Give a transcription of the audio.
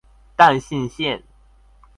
淡信線